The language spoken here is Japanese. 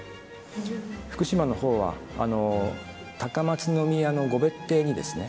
福島のほうは高松宮の御別邸にですね